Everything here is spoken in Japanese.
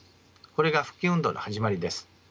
これが復帰運動の始まりです。